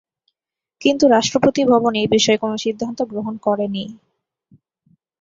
কিন্তু রাষ্ট্রপতি ভবন এই বিষয়ে কোনো সিদ্ধান্ত গ্রহণ করেনি।